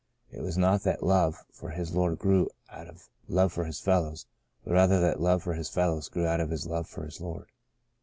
It was not that love for his Lord grew out of love for his fellows, but rather that love for his fellows grew out of love for his Lord.